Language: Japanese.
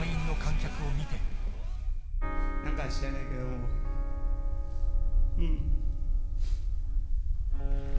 何か知らないけどもうん。